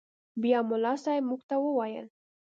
بيا ملا صاحب موږ ته وويل.